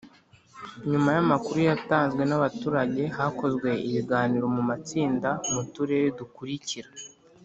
Nyuma y amakuru yatanzwe n abaturage hakozwe ibiganiro mu matsinda mu turere dukurikira